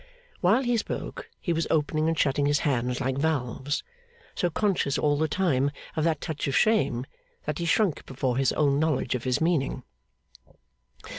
While he spoke, he was opening and shutting his hands like valves; so conscious all the time of that touch of shame, that he shrunk before his own knowledge of his meaning.